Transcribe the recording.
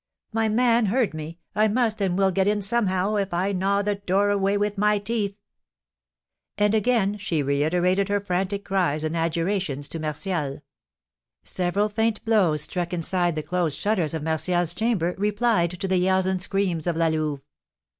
"My man heard me! I must and will get in somehow, if I gnaw the door away with my teeth." And again she reiterated her frantic cries and adjurations to Martial. Several faint blows struck inside the closed shutters of Martial's chamber replied to the yells and screams of La Louve.